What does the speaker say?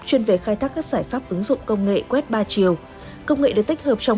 chuyên về khai thác các giải pháp ứng dụng công nghệ web ba chiều công nghệ được tích hợp trong